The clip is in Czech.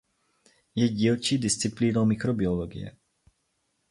Je dílčí disciplínou mikrobiologie.